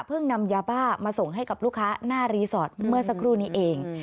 นำยาบ้ามาส่งให้กับลูกค้าหน้ารีสอร์ทเมื่อสักครู่นี้เอง